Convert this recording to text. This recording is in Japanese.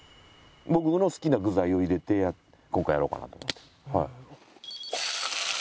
僕の好きな具材を入れて今回やろうかなとはい。